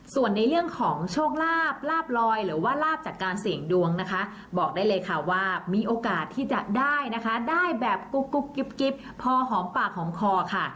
ส่วนในเรื่องของโชคลาภลาบลอยหรือว่าลาบจากการเสี่ยงดวงนะคะบอกได้เลยค่ะว่ามีโอกาสที่จะได้นะคะได้แบบกุ๊กกิ๊บพอหอมปากหอมคอค่ะ